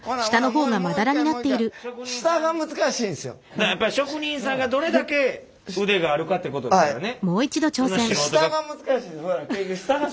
だからやっぱり職人さんがどれだけ腕があるかってことですよね。